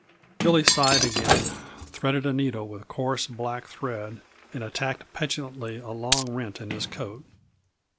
Billy sighed again, threaded a needle with coarse, black thread and attacked petulantly a long rent in his coat.